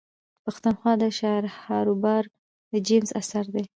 د پښتونخوا د شعرهاروبهار د جيمز اثر دﺉ.